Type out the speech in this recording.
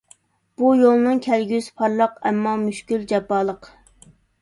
بۇ يولنىڭ كەلگۈسى پارلاق، ئەمما مۈشكۈل، جاپالىق.